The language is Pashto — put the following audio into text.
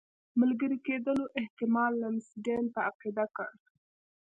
ملګري کېدلو احتمال لمسډن په عقیده کړ.